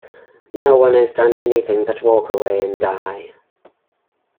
No one has done anything but walk away and die.